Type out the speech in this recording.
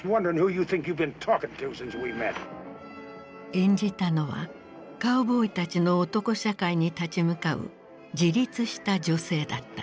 演じたのはカウボーイたちの男社会に立ち向かう自立した女性だった。